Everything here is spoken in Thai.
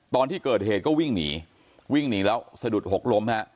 ตอนที่เกิดเหตุก็วิ่งหนีวิ่งหนีแล้วสะดุดหกล้มฮะ